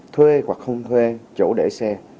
thuê hoặc không thuê chỗ để xe